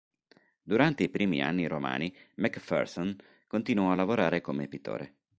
Durante i primi anni romani, Macpherson continuò a lavorare come pittore.